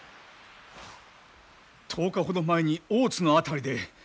１０日ほど前に大津の辺りで。